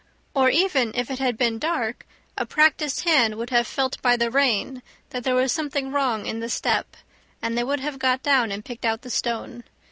Or even if it had been dark a practiced hand would have felt by the rein that there was something wrong in the step, and they would have got down and picked out the stone.